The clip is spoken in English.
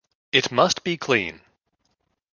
It must be clean!